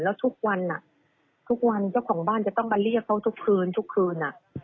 แล้วทุกวันเจ้าของบ้านจะต้องมาเรียกเขาทุกคืน